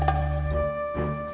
kamu mau ke rumah